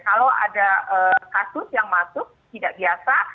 kalau ada kasus yang masuk tidak biasa